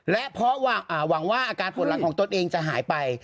และเพราะหวังว่าอาการปวดหลังของตนเองจะหายไป